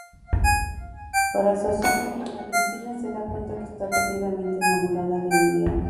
Para su asombro, Ana Cristina se da cuenta que está perdidamente enamorada de Emiliano.